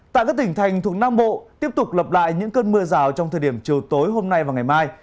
tại các tỉnh thành thuộc nam bộ tiếp tục lập lại những cơn mưa rào trong thời điểm chiều tối hôm nay và ngày mai